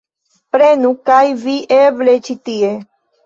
Prenu kaj vi eble ĉi tie